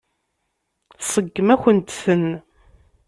Tseggem-akent-ten.